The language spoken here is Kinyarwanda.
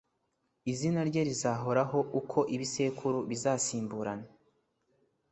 izina rye rizahoraho uko ibisekuru bizasimburana